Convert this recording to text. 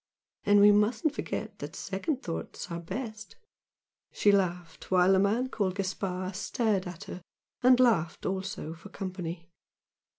And we mustn't forget that second thoughts are best!" She laughed, while the man called Gaspard stared at her and laughed also for company.